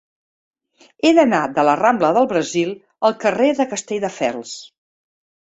He d'anar de la rambla del Brasil al carrer de Castelldefels.